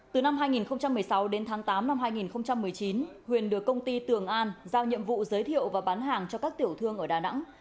từ năm hai nghìn một mươi sáu đến tháng tám năm hai nghìn một mươi chín huyền được công ty tường an giao nhiệm vụ giới thiệu và bán hàng cho các tiểu thương ở đà nẵng